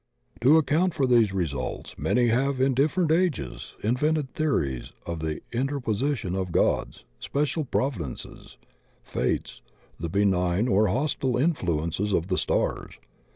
To account for these results, many have in different ages invented theories of the interposition of gods, special providences, fates, the benign or hostile influ ences of the stars.